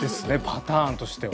パターンとしては。